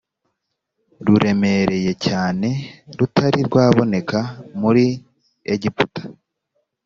ruremereye cyane rutari rwaboneka muri egiputa